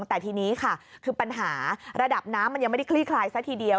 แต่ทีนี้ค่ะคือปัญหาระดับน้ำมันยังไม่ได้คลี่คลายซะทีเดียว